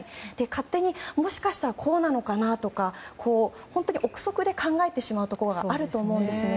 勝手に、もしかしたらこうなのかなとか憶測で考えてしまうところがあると思うんですね。